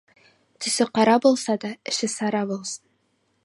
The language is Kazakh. Түсі қара болса да, іші сара болсын.